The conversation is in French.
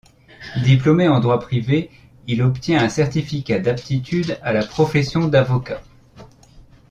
Diplômé en droit privé, il obtient un certificat d'aptitude à la profession d'avocat.